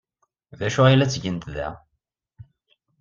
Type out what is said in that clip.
D acu ay la ttgent da?